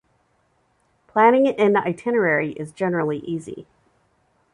Planning an itinerary is generally easy.